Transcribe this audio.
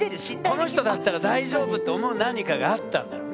この人だったら大丈夫って思う何かがあったんだろうね。